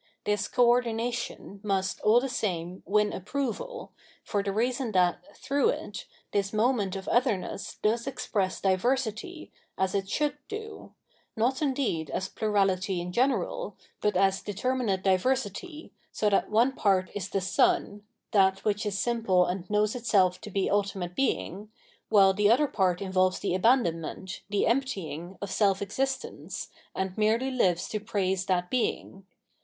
This co ordination must, all the same, approval, for the reason that, through it, this moment of otherness does express diversity, as it should do : not indeed as plurahty in general, but as determinate diversity, so that one part is the^ Son, that which is simple and knows itself to be ultimate Being, while the other part involves the abandonment, the emptying, of self existence, and merely hves to praise that Being.